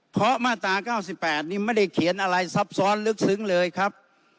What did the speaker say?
เพราะมาตรา๙๘นี่ไม่ได้เขียนอะไรซับซ้อนลึกซึ้งเลยครับ